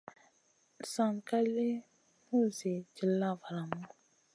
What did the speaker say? San ka lì nul Zi dilla valamu.